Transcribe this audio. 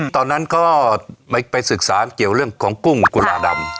ตอนนั้นก็ไปศึกษาเกี่ยวเรื่องของกุ้งกุลาดำ